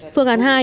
phương án hai